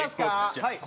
はい。